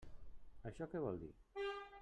Això què vol dir?